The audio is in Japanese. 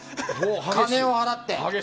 金を払って。